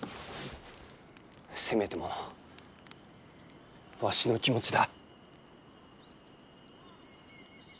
せめてものわしの気持ちだ。